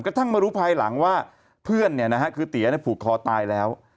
กระทั่งมารู้ภายหลังว่าเพื่อนคือเตี๋ยผูกคอตายแล้ว